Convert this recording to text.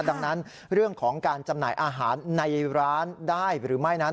ดังนั้นเรื่องของการจำหน่ายอาหารในร้านได้หรือไม่นั้น